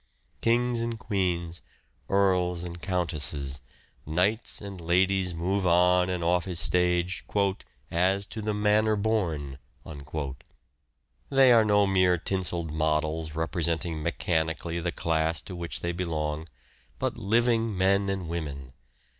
Kings and queens, earls and countesses, knights and ladies move on and off his stage " as to the manner born." They are no mere tinselled models representing me chanically the class to which they belong, but living men and women.